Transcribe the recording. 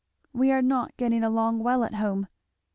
"We are not getting along well at home."